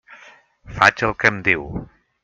Faig el que em diu.